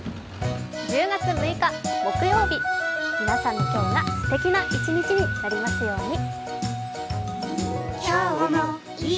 １０月６日、木曜日、皆さんの今日がすてきな一日になりますように。